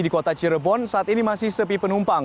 di kota cirebon saat ini masih sepi penumpang